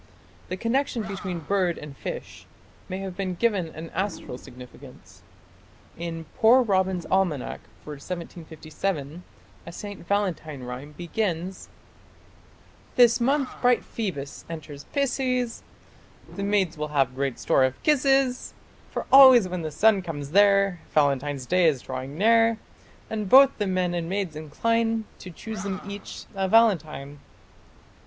The connection between bird and fish may have been given an astral significance. In "Poor Robin's Almanack" for 1757 a St. Valentine rhyme begins: This month bright Phoebus enters Pisces, The maids will have good store of kisses, For always when the sun comes there, Valentine's day is drawing near, And both the men and maids incline To choose them each a Valentine.